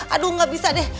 aduh gak bisa deh